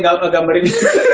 gak mau ngegambarin